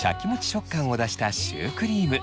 食感を出したシュークリーム。